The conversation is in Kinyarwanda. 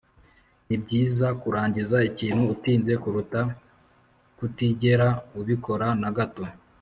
nibyiza kurangiza ikintu utinze kuruta kutigera ubikora na gato